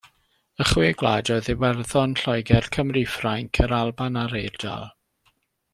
Y chwe gwlad oedd Iwerddon, Lloegr, Cymru, Ffrainc, Yr Alban a'r Eidal.